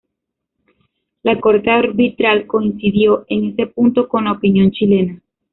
La corte arbitral coincidió en ese punto con la opinión chilena.